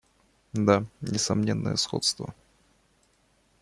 Да, несомненное сходство.